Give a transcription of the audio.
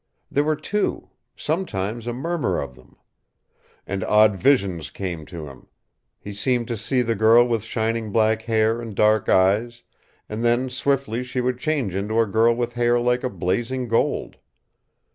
There were two sometimes a murmur of them. And odd visions came to him. He seemed to see the girl with shining black hair and dark eyes, and then swiftly she would change into a girl with hair like blazing gold.